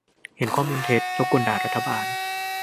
- เห็นข้อมูลเท็จ แล้วก่นด่ารัฐบาล